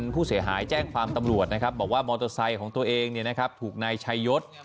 ผู้เสียหายแจ้งความตำรวจนะครับบอกว่ามอเตอร์ไซค์ของตัวเองถูกนายชัยยศ